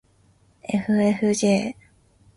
ｆｆｊ